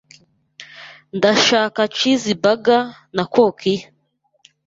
Ndashaka cheeseburger na kokiya.